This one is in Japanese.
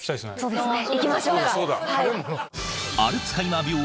そうですね。